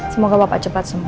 semoga bapak cepat semua